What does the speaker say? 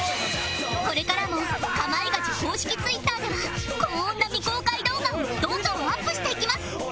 これからも『かまいガチ』公式ツイッターではこんな未公開動画をどんどんアップしていきます